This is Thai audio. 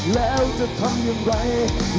แล้วจะทำอย่างไร